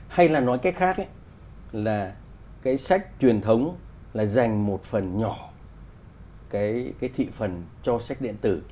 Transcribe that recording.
hay là nói cách khác ấy là cái sách truyền thống là dành một phần nhỏ cái thị phần cho sách điện tử